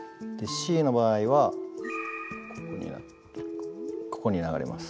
Ｄの場合はここに流れます。